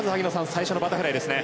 最初のバタフライですね。